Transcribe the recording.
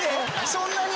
そんなに？